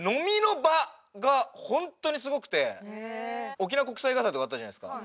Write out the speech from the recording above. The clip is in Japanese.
沖縄国際映画祭とかあったじゃないですか。